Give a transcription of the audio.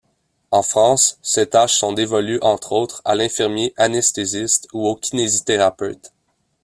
En France, ces tâches sont dévolues entre autres à l’infirmier anesthésiste ou au kinésithérapeute.